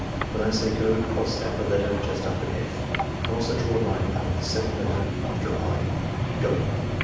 When I say 'go' cross out the letter just after F and also draw a Une under the second letter after I. — Go!"